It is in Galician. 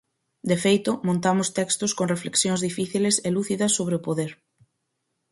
De feito montamos textos con reflexións difíciles e lúcidas sobre o poder.